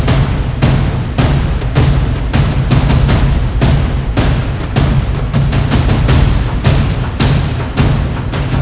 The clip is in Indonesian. untuk memulihkan tenaga